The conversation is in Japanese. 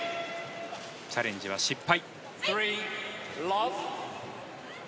チャレンジは失敗。